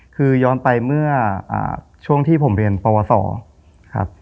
คือย้อนไปเมื่อช่วงที่ผมเรียนปวสอครับ